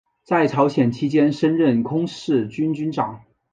在朝鲜期间升任空四军军长。